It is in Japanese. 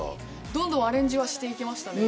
どんどんアレンジしていきました。